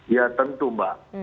ya tentu mbak